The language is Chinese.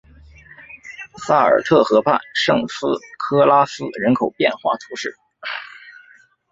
萨尔特河畔圣斯科拉斯人口变化图示